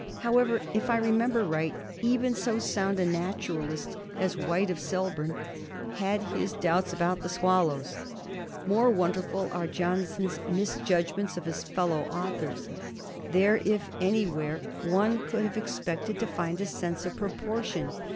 However, if I remember right, even so sound a naturalist as White of Selborne had his doubts about the swallows. More wonderful are Johnson's misjudgments of his fellow authors. There, if anywhere, one would have expected to find a sense of proportion.